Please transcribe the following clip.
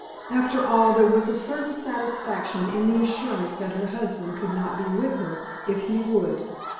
After all there was a certain satisfaction in the assurance that her husband could not be with her if he would.